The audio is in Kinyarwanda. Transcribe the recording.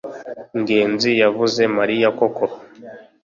ngenzi yavuze mariya koko